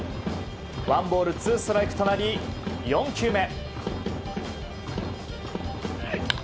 ワンボールツーストライクとなり４球目。